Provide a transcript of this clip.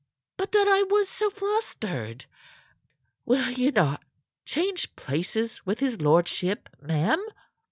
But that I was so flustered. Will you not change places with his lordship, ma'am?"